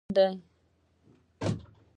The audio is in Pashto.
الله ج د ځمکی او اسمانونو څښتن دی